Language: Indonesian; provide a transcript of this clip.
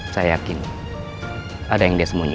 saya yakin ada yang dia sembunyi